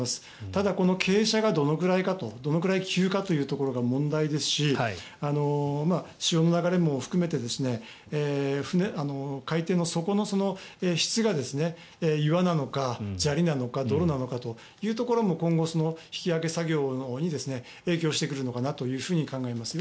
ただ、この傾斜がどのくらいかどのくらい急かというのが問題ですし、潮の流れも含めて海底の底の質が岩なのか砂利なのか泥なのかというところも今後、引き揚げ作業に影響してくるのかなと考えます。